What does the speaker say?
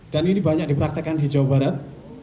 dan ini banyak diperaktikan di jawa barat